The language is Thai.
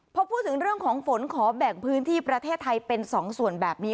พอพูดถึงเรื่องของฝนขอแบ่งพื้นที่ประเทศไทยเป็น๒ส่วนแบบนี้